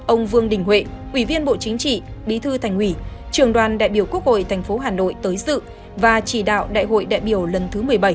ông vương đình huệ ủy viên bộ chính trị bí thư thành ủy trường đoàn đại biểu quốc hội thành phố hà nội tới sự và chỉ đạo đại hội đại biểu lần thứ một mươi bảy